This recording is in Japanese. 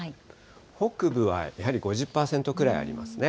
北部はやはり５０％くらいありますね。